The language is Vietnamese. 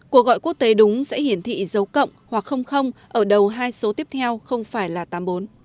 cuộc gọi quốc tế đúng sẽ hiển thị dấu cộng hoặc không ở đầu hai số tiếp theo không phải là tám mươi bốn